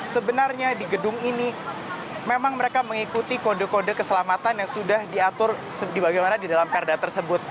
sebenarnya di gedung ini memang mereka mengikuti kode kode keselamatan yang sudah diatur bagaimana di dalam perda tersebut